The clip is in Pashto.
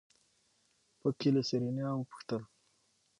په کې له سېرېنا وپوښتل.